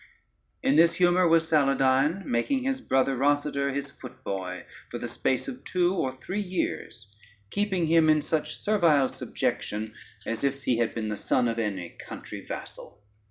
"] In this humor was Saladyne, making his brother Rosader his foot boy, for the space of two or three years, keeping him in such servile subjection, as if he had been the son of any country vassal.